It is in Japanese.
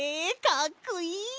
かっこいい！